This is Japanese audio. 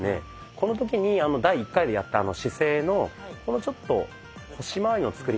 この時に第１回でやった姿勢のこのちょっと腰まわりの作り方ですね。